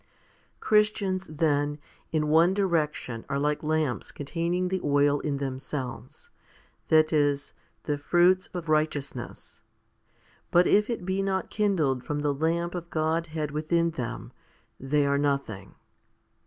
2 2. Christians, then, in one direction are like lamps containing the oil in themselves, that is, the fruits of righteousness : but if it be not kindled from the lamp of Godhead within them, they are nothing.